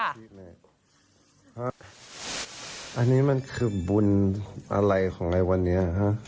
อันนี้มันคือบุญอะไรของในวันนี้ฮะ